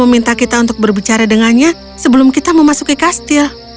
meminta kita untuk berbicara dengannya sebelum kita memasuki kastil